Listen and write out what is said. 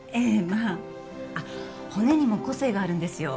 まあ骨にも個性があるんですよ